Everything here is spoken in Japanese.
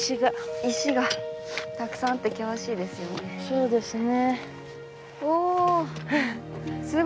そうですね。